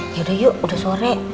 yaudah yuk udah sore